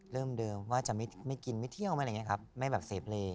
เริ่มเดิมว่าจะไม่กินไม่เที่ยวไม่อะไรอย่างนี้ครับไม่แบบเสพเล